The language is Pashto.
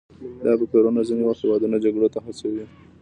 دا فکتورونه ځینې وخت هیوادونه جګړو ته هڅوي